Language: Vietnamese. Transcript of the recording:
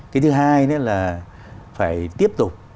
cái thứ hai là phải tiếp tục